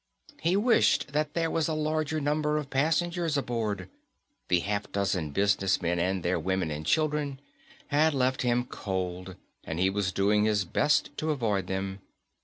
He wished that there was a larger number of passengers aboard. The half dozen businessmen and their women and children had left him cold and he was doing his best to avoid them.